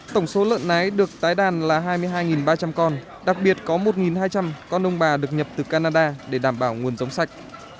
tổng số lợn nái được tái đàn là hai mươi hai ba trăm linh con đặc biệt có một hai trăm linh con ông bà được nhập từ canada để đảm bảo nguồn giống sạch